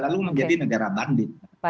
lalu menjadi negara bandit